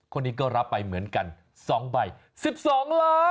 คนนี้ก็รับไปเหมือนกัน๒ใบ๑๒ล้าน